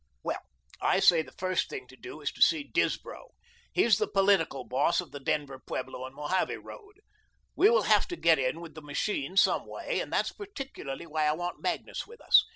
"Well, I say the first thing to do is to see Disbrow. He's the political boss of the Denver, Pueblo, and Mojave road. We will have to get in with the machine some way and that's particularly why I want Magnus with us.